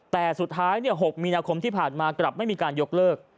แต่สุดท้าย๖มีนาคมที่ผ่านมากลับไม่มีการยกเลิก